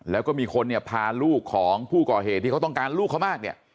แล้วก็มีคนเนี่ยพาลูกของผู้ก่อเหตุที่เขาต้องการลูกเขามากเนี่ย